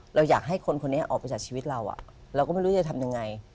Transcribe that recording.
เราอยากให้คนคนนี้ออกไปจากชีวิตเราเราก็ไม่รู้จะทำยังไง